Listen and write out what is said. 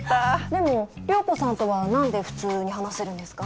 でも涼子さんとは何で普通に話せるんですか？